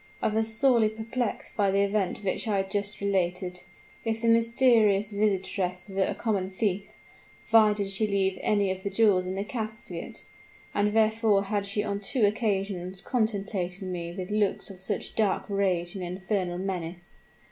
"I was sorely perplexed by the event which I have just related. If the mysterious visitress were a common thief, why did she leave any of the jewels in the casket? and wherefore had she on two occasions contemplated me with looks of such dark rage and infernal menace?